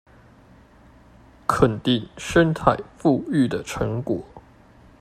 肯定生態復育的成果